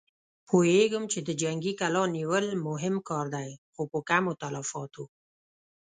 پوهېږم چې د جنګي کلا نيول مهم کار دی، خو په کمو تلفاتو.